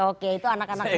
oke itu anak anak sendiri